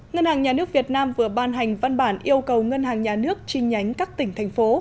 ngân hàng nhà nước việt nam vừa ban hành văn bản yêu cầu ngân hàng nhà nước chi nhánh các tỉnh thành phố